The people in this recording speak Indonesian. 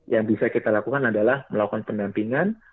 yang bisa kita lakukan adalah melakukan pendampingan